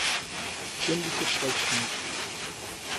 семьдесят пять книг